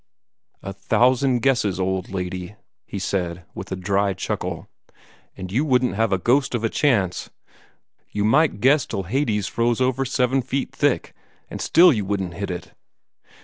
"A thousand guesses, old lady," he said, with a dry chuckle, "and you wouldn't have a ghost of a chance. You might guess till Hades froze over seven feet thick, and still you wouldn't hit it."